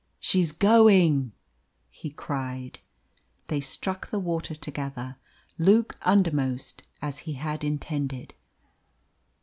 "She's going!" he cried. They struck the water together, Luke undermost, as he had intended.